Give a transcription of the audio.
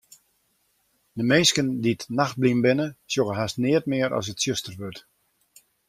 Minsken dy't nachtblyn binne, sjogge hast neat mear as it tsjuster wurdt.